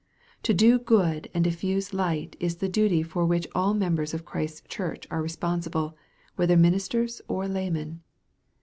To do good and diffuse light is a duty for which all members of Christ's Church are responsible, whether ministers or laymen.